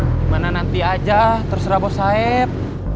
gimana nanti aja terserah bos saib